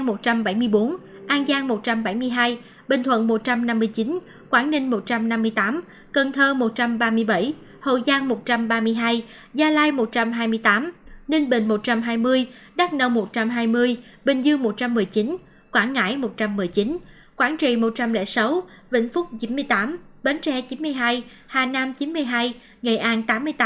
hai trăm linh sáu sốc tràng hai trăm linh kiên giang một trăm tám mươi năm đà nẵng một trăm tám mươi hải giang một trăm bảy mươi bốn an giang một trăm bảy mươi hai bình thuận một trăm năm mươi chín quảng ninh một trăm năm mươi tám cần thơ một trăm ba mươi bảy hậu giang một trăm ba mươi hai gia lai một trăm hai mươi tám ninh bình một trăm hai mươi đắk nông một trăm hai mươi bình dương một trăm một mươi chín quảng ngãi một trăm một mươi chín quảng trị một trăm linh sáu vĩnh phúc chín mươi tám bến tre chín mươi hai hà nam chín mươi hai ngày an tám mươi tám